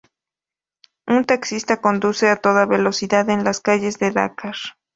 Un taxista conduce a toda velocidad en las calles de Dakar.